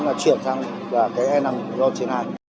là chuyển sang e năm ron chín mươi hai